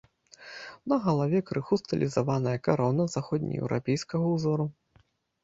На галаве крыху стылізаваная карона заходнееўрапейскага ўзору.